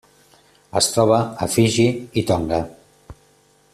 Es troba a Fiji i Tonga.